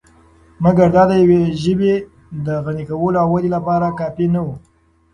مګر دا دیوې ژبې د غني کولو او ودې لپاره کافی نه وو .